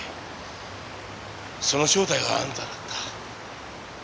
その正体があんただった。